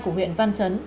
của huyện văn trấn